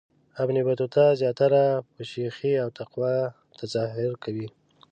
ابن بطوطه زیاتره په شیخی او تقوا تظاهر کوي.